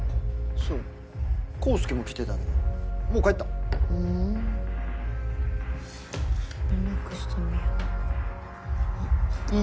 そう康祐も来てたけどもう帰ったふん連絡してみようあっねぇ